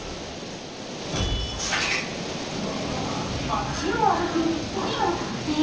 街を歩く１人の男性。